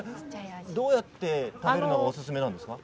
どうやって食べるのがおすすめなんですか。